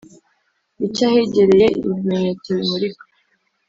icy’ahegereye ibimenyetso bimurika